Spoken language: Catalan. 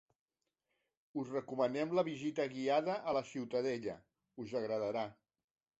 Us recomanem la visita guiada a la Ciutadella, us agradarà!